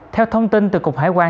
theo thông tin từ cục hải quan